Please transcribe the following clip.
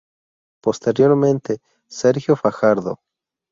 Posteriormente Sergio fajardo.